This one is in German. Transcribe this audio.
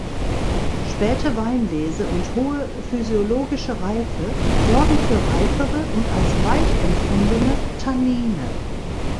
Späte Weinlese und hohe physiologische Reife sorgen für reifere und als weich empfundene Tannine.